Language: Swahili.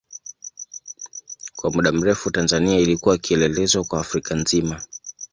Kwa muda mrefu Tanzania ilikuwa kielelezo kwa Afrika nzima.